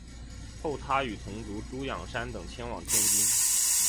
后他与同族朱仰山等迁往天津。